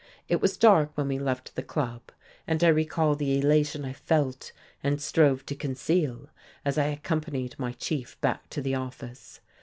It was dark when we left the Club, and I recall the elation I felt and strove to conceal as I accompanied my chief back to the office.